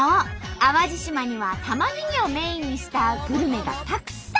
淡路島にはたまねぎをメインにしたグルメがたくさん！